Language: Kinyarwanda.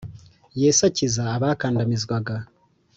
Yesu akiza abakandamizwaga